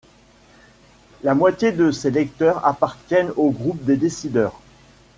La moitié de ces lecteurs appartiennent au groupe des décideurs.